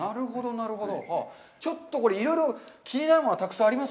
なるほど。